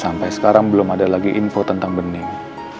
sampai sekarang belum ada lagi info tentang bening